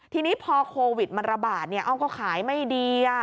ทีนี้พอโควิดมันระบาดเนี่ยอ้อมก็ขายไม่ดี